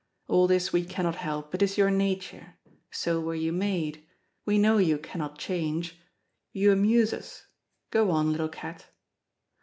All this we cannot help. It is your nature. So were you made—we know you cannot change—you amuse us! Go on, little cat!'